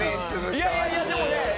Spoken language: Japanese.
いやいやいやでもね。